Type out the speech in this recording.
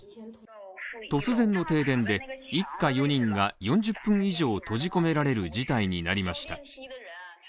突然の停電で一家４人が４０分以上閉じ込められる事態になりました。